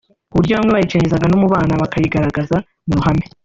ku buryo bamwe bayicengeza no mu bana bakayigaragaza mu ruhame